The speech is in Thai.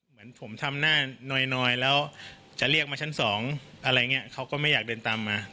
เหมือนผมทำหน้าหน่อยแล้วจะเรียกมาชั้นสองอะไรอย่างนี้เขาก็ไม่อยากเดินตามมา